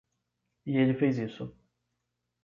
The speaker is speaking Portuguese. E ele fez isso.